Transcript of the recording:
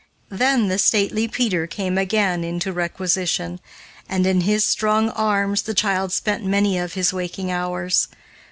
Then the stately Peter came again into requisition, and in his strong arms the child spent many of his waking hours.